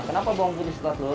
kenapa bawang putih setelah telur